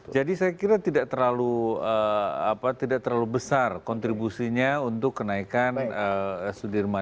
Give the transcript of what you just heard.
jadi saya kira tidak terlalu besar kontribusinya untuk kenaikan sudirman